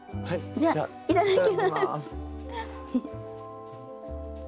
じゃあいただきます。